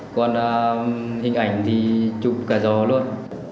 còn hình ảnh thì chụp cả giò luôn